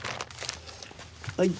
はい。